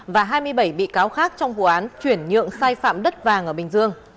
và hai mươi bảy bị cáo khác trong vụ án chuyển nhượng sai phạm đất vàng ở bình dương